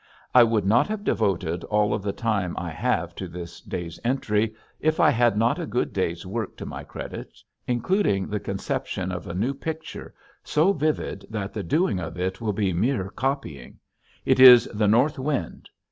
I would not have devoted all of the time I have to this day's entry if I had not a good day's work to my credit including the conception of a new picture so vivid that the doing of it will be mere copying. It is the "North Wind."